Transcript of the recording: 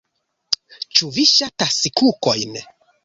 Ĉu vi ŝatas kukojn?